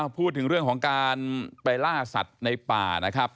พูดถึงเรื่องของการไปล่าสัตว์ในป่านะครับ